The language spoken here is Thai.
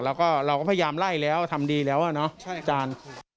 แล้วก็เราก็พยายามไล่แล้วทำดีแล้วอะเนาะอาจารย์